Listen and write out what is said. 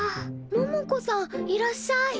百子さんいらっしゃい。